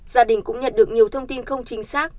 gia đình cũng nhận được nhiều thông tin không chính xác